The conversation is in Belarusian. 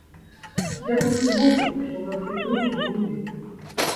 Дзякуйце богу, што ў вас ёсць рукі ногі.